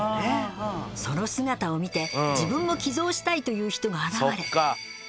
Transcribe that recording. その姿を見て自分も寄贈したいという人が現れさらに